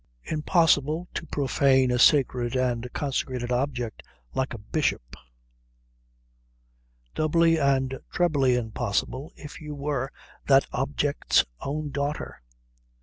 Impossible to profane a sacred and consecrated object like a bishop. Doubly and trebly impossible if you were that object's own daughter.